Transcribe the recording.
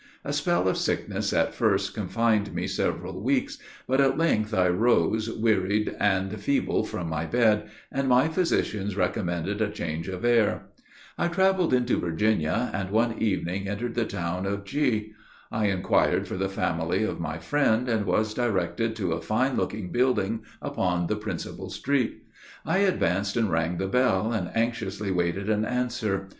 A spell of sickness at first confined me several weeks, but at length I rose wearied and feeble from my bed, and my physicians recommended a change of air. I traveled into Virginia, and one evening I entered the town of G h. I inquired for the family of my friend, and was directed to a fine looking building upon the principal street. I advanced and rang the bell, and anxiously waited an answer.